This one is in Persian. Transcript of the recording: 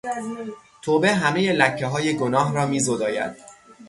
توبه همهی لکههای گناه را میزداید.